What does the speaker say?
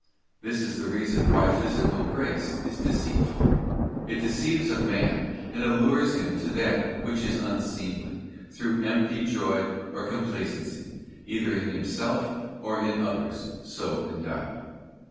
This is the reason why physical grace is deceitful: it deceives a man and allures him to that which is unseemly, through empty joy or com placency, either in himself, or in others, so endowed.